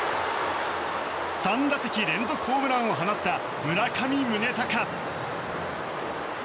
３打席連続ホームランを放った村上宗隆。